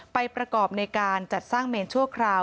ประกอบในการจัดสร้างเมนชั่วคราว